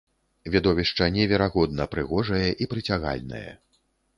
Відовішча неверагодна прыгожае і прыцягальнае.